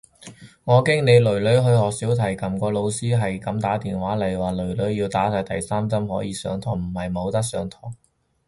我經理囡囡去學小提琴，個老師係咁打電話嚟話，囡囡要打晒第三針可以上堂，唔係冇得上堂。